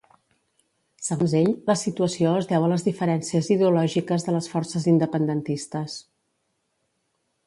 Segons ell, la situació es deu a les diferències ideològiques de les forces independentistes.